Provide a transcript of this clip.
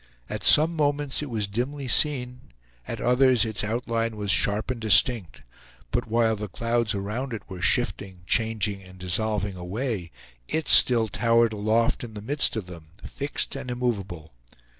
At some moments it was dimly seen, at others its outline was sharp and distinct; but while the clouds around it were shifting, changing, and dissolving away, it still towered aloft in the midst of them, fixed and immovable.